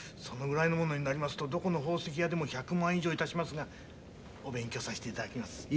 そのぐらいのものになりますとどこの宝石屋でも１００万以上いたしますがお勉強させて頂きます。